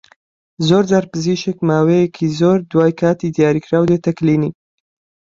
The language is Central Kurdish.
زۆرجار پزیشک ماوەیەکی زۆر دوای کاتی دیاریکراو دێتە کلینیک